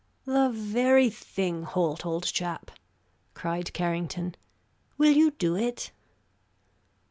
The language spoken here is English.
"The very thing, Holt, old chap!" cried Carrington. "Will you do it?"